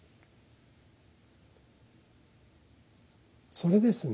それですね。